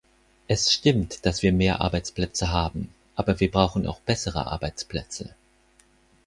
Es stimmt, dass wir mehr Arbeitsplätze haben, aber wir brauchen auch bessere Arbeitsplätze.